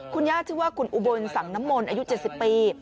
คุณย่าชื่อว่าคุณอุบลสังน้ำมนต์อายุ๗๐ปี